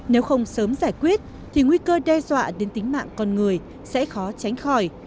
nếu không sớm giải quyết thì nguy cơ đe dọa đến tính mạng con người sẽ khó tránh khỏi